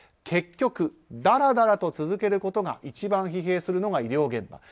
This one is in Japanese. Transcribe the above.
結局だらだらと続けることが一番疲弊するのが医療現場。